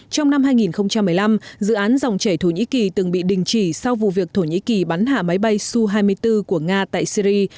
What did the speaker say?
trong năm hai nghìn một mươi năm dự án dòng chảy thổ nhĩ kỳ từng bị đình chỉ sau vụ việc thổ nhĩ kỳ bắn hạ máy bay su hai mươi bốn của nga tại syri